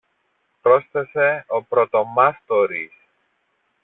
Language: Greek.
πρόσθεσε ο πρωτομάστορης.